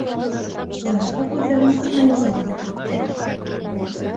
Зарифа күҙҙәрен асмайынса алды трубканы.